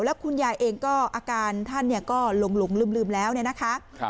แล้วคุณยายเองก็อาการท่านก็หลงลืมแล้วเนี่ยนะคะ